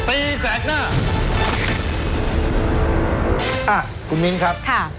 อ่ะคุณมิ้นครับค่ะ